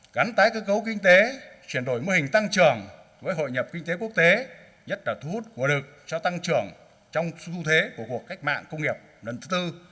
gắn tái cơ cấu kinh tế chuyển đổi mô hình tăng trưởng với hội nhập kinh tế quốc tế nhất là thu hút của lực cho tăng trưởng trong xu thế của cuộc cách mạng công nghiệp lần thứ tư